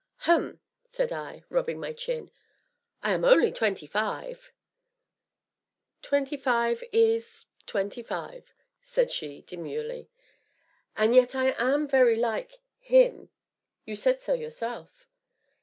"Hum!" said I, rubbing my chin, "I am only twenty five!" "Twenty five is twenty five!" said she demurely. "And yet, I am very like him you said so yourself!"